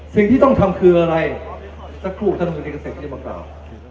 สิ่งที่ต้องทำคืออะไรจะคลุกท่านวินิกเศษนี่มากล่าว